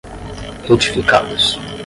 retificados